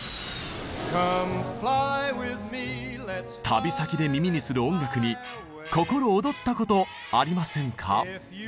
旅先で耳にする音楽に心躍ったことありませんか？